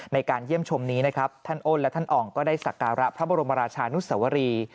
ในการเยี่ยมชมนี้นะครับท่านอ้นและท่านอ่องก็ได้สักการะพระบรมราชานุสวรี